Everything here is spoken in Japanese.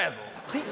はい？